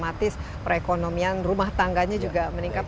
di sini pengelolaannya otomatis perekonomian rumah tangganya juga meningkat